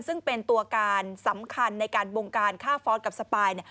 ซึ่งเป็นตัวการสำคัญในการบงการฆ่าฟอสกับสปาย